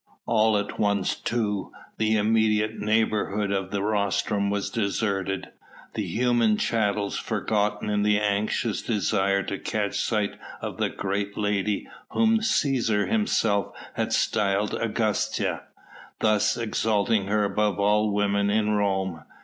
All at once too the immediate neighbourhood of the rostrum was deserted, the human chattels forgotten in the anxious desire to catch sight of the great lady whom the Cæsar himself had styled Augusta thus exalting her above all women in Rome.